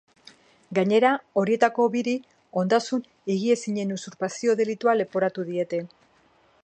Gainera, horietako biri ondasun higiezinen usurpazio delitua leporatu diete.